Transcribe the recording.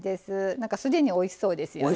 なんか既においしそうですよね。